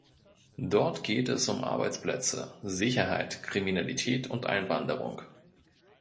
Dort geht es um Arbeitsplätze, Sicherheit, Kriminalität und Einwanderung.